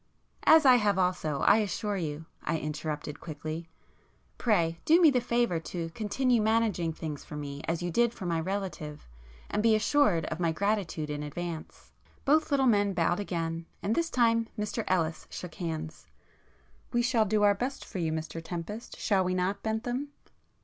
"As I have also, I assure you,"—I interrupted quickly—"Pray [p 48] do me the favour to continue managing things for me as you did for my relative, and be assured of my gratitude in advance." Both little men bowed again, and this time Mr Ellis shook hands. "We shall do our best for you, Mr Tempest, shall we not Bentham?"